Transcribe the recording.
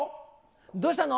どうしたの？